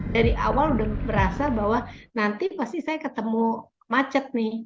dari awal udah berasa bahwa nanti pasti saya ketemu macet nih